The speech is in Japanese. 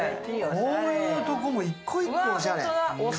こういうところも一個一個おしゃれ。